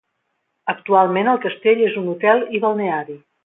Actualment el castell és un hotel i balneari.